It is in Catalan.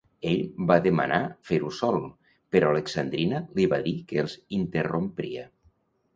Ell va demanar fer-ho sol, però Alexandrina li va dir que els interrompria.